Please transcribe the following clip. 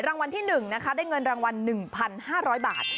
รางวัลที่๑นะคะได้เงินรางวัล๑๕๐๐บาท